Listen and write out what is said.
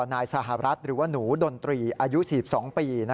นายสหรัฐหรือว่าหนูดนตรีอายุ๔๒ปี